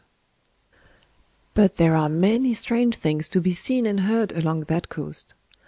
But there are many strange things to be seen and heard along that coast.